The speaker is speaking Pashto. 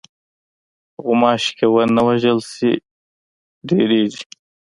غوماشې که ونه وژلې شي، ډېرې شي.